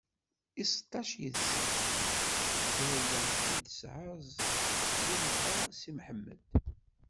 I seṭṭac yid-sen, d dderya i s-d-tesɛa Zilfa i Si Mḥemmed.